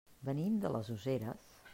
Venim de les Useres.